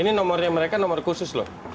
ini nomornya mereka nomor khusus loh